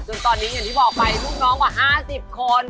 ตอนนี้อย่างที่บอกไปลูกน้องกว่า๕๐คน